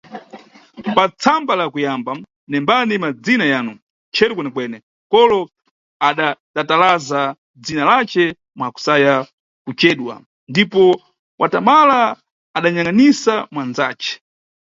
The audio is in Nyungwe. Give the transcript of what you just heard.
Pa tsamba la kuyamba nembani madzina yanu, cheru Kwenekwene, kolo adatatalaza dzina lace mwa kusaya kuceduwa, ndipo watamala adanyangʼnisa mwanzace.